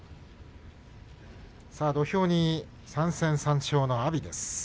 土俵に３戦３勝の阿炎です。